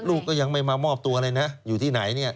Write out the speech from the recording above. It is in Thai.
ลูกก็ยังไม่มามอบตัวเลยนะอยู่ที่ไหนเนี่ย